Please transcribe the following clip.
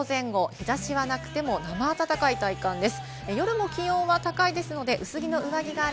日差しはなくても生暖かいです。